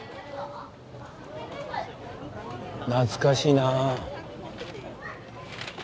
懐かしいなぁ。